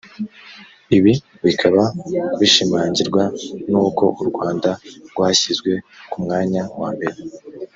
ibi bikaba bishimangirwa n uko u rwanda rwashyizwe ku mwanya wambere